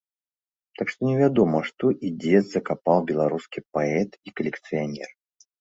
Так што невядома, што і дзе закапаў беларускі паэт і калекцыянер.